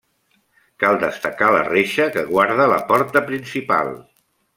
Cal destacar la reixa que guarda la porta principal.